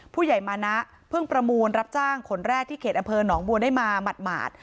ผู้ใหญ่มานะเพิ่งประมูลรับจ้างขนแรกที่เขตอำเภอหนองบัวได้มาหมาด